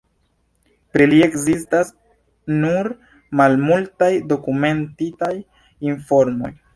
Pri li ekzistas nur malmultaj dokumentitaj informoj.